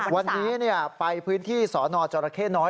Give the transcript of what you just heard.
วันนี้ไปพื้นที่สนจรเข้น้อย